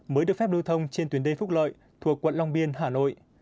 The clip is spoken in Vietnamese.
mới được phép lưu thông trên tuyến đê phúc lợi thuộc quận long biên hà nội